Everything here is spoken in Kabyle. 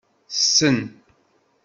Tessen.